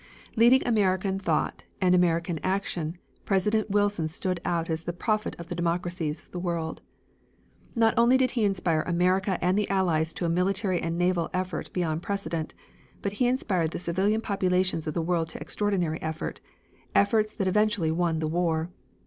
Leading American thought and American action, President Wilson stood out as the prophet of the democracies of the world. Not only did he inspire America and the Allies to a military and naval effort beyond precedent, but he inspired the civilian populations of the world to extraordinary effort, efforts that eventually won the war.